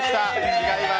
違います。